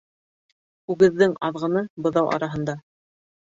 Үгеҙҙең аҙғыны быҙау араһында.